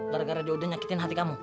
karena dia udah nyakitin hati kamu